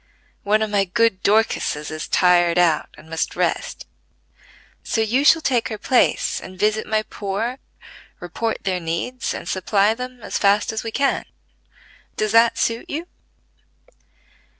One of my good Dorcases is tired out and must rest; so you shall take her place and visit my poor, report their needs, and supply them as fast as we can. Does that suit you?"